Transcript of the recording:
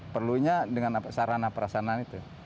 perlunya dengan sarana perasanaan itu